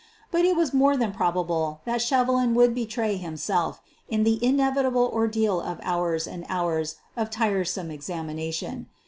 But it was more than probable that Shevelin would be tray himself in the inevitable ordeal of hours and hours of tiresome examination.